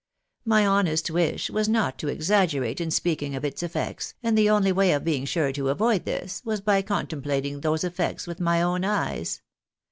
My honest wish was not to exaggerate in speaking of its effects, and the only way of being sure to avoid this, was by contemplating those effects with my own eyes.